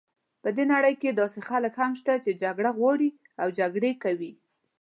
په دې نړۍ کې داسې خلک هم شته چې جګړه غواړي او جګړې کوي.